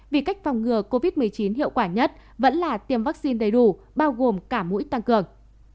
vì cách phòng ngừa covid một mươi chín hiệu quả nhất vẫn là tiêm vaccine đầy đủ bao gồm cả mũi tăng cường